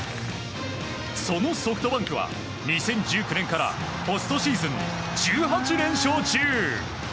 そのソフトバンクは２０１９年からポストシーズン１８連勝中！